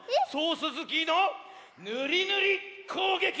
スキーのぬりぬりこうげき！